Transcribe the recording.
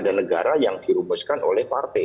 dan negara yang dirumuskan oleh partai